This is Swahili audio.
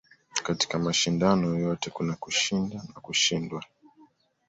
katika mashindano yoyote kuna kushinda na kushindwa